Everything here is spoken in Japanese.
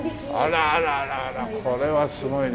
あらあらあらあらこれはすごいね。